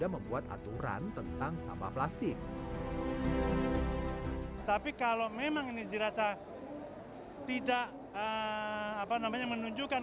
membuat aturan tentang sampah plastik tapi kalau memang ini dirasa tidak apa namanya menunjukkan